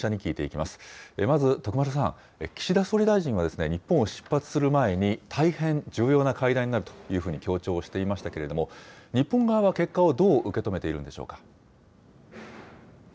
まず徳丸さん、岸田総理大臣は日本を出発する前に、大変重要な会談になるというふうに強調していましたけれども、日本側は結果をどう受け止めているんでしょうか。